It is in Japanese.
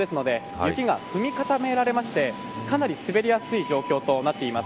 雪が踏み固められましてかなり滑りやすい状況となっています。